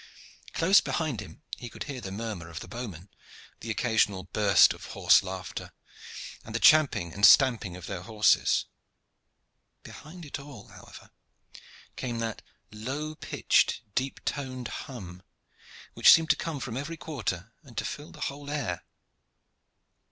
Close behind him he could hear the murmur of the bowmen, the occasional bursts of hoarse laughter, and the champing and stamping of their horses. Behind it all, however, came that low pitched, deep toned hum, which seemed to come from every quarter and to fill the whole air.